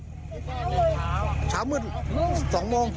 เช้ามืดเช้าเช้ามืดสองโมง